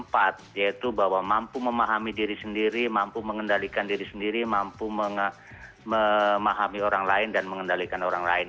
yaitu bahwa mampu memahami diri sendiri mampu mengendalikan diri sendiri mampu memahami orang lain dan mengendalikan orang lain